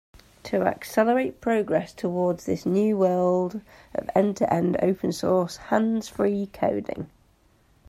To accelerate progress towards this new world of end-to-end open source hands-free coding.